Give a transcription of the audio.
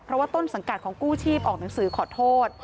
เพราะว่าต้นสังกัดของกู้ชีพออกหนังสือขอโทษ